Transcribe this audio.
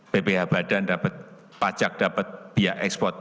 bph badan dapat pajak dapat biaya ekspor